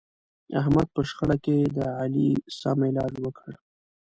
احمد په شخړه کې د علي سم علاج وکړ.